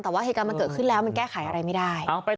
แต่ว่าเหตุการณ์มันเกิดขึ้นแล้วมันแก้ไขอะไรไม่ได้